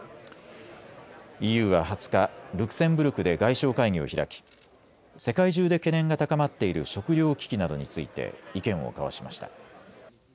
ＥＵは２０日、ルクセンブルクで外相会議を開き世界中で懸念が高まっている食料危機などについて意見を交わしました。